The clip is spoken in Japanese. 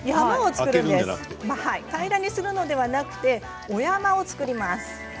平らにするのではなくて小山を作ります。